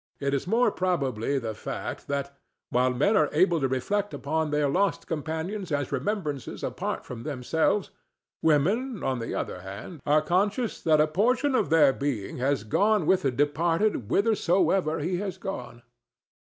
It is more probably the fact that, while men are able to reflect upon their lost companions as remembrances apart from themselves, women, on the other hand, are conscious that a portion of their being has gone with the departed whithersoever he has gone.